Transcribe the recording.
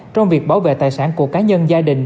trong việc bảo vệ tài sản của cá nhân gia đình